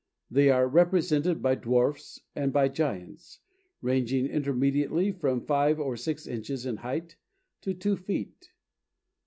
They are represented by Dwarfs and by Giants, ranging intermediately from five or six inches in height to two feet.